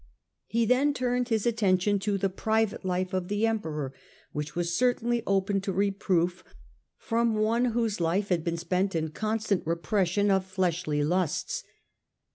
He then turned his attention to the private life of the Emperor, which was certainly open to reproof from one whose life had been spent in constant repression of fleshly lusts.